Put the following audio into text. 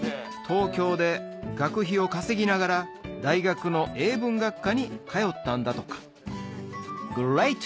東京で学費を稼ぎながら大学の英文学科に通ったんだとかＧｒｅａｔ！